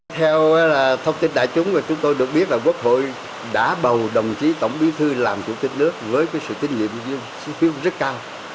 theo thông tin đại chúng chúng tôi được biết là quốc hội đã bầu đồng chí tổng bí thư làm chủ tịch nước với sự tín nhiệm xuất phiếu rất cao